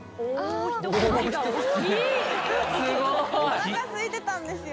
「おなかすいてたんですよ」